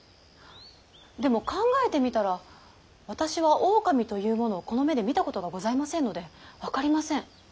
でも考えてみたら私は狼というものをこの目で見たことがございませんので分かりません。